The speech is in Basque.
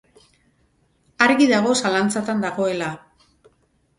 Argi dago zalantzatan dagoela.